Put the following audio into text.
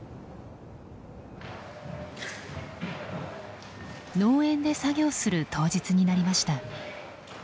農園で作業する当日になりました。